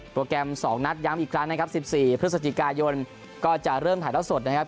แกรม๒นัดย้ำอีกครั้งนะครับ๑๔พฤศจิกายนก็จะเริ่มถ่ายแล้วสดนะครับ